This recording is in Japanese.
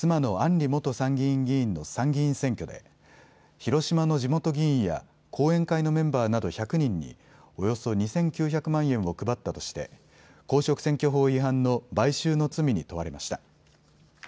里元参議院議員の参議院選挙で広島の地元議員や後援会のメンバーなど１００人におよそ２９００万円を配ったとして公職選挙法違反の買収の罪に問われました。